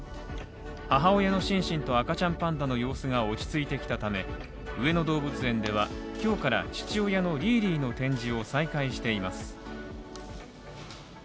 母親のシンシンと赤ちゃんパンダの様子が落ち着いてきたため上野動物園では今日から父親のリーリーの展示を再開しています。